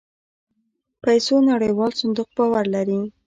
پيسو نړيوال صندوق باور لري.